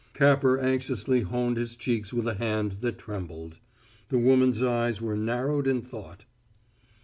Capper anxiously honed his cheeks with a hand that trembled. The woman's eyes were narrowed in thought.